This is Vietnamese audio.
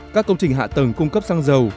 các công trình hạ tầng cung cấp xăng dầu